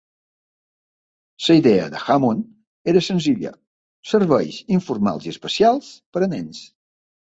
La idea de Hammond era senzilla: serveis informals i especials per a nens.